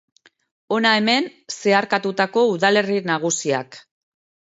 Hona hemen zeharkatutako udalerri nagusiak.